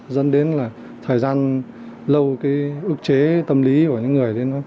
dẫn đến là thời gian lâu cái ước chế tâm lý của những người